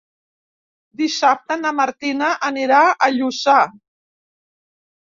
Dissabte na Martina anirà a Lluçà.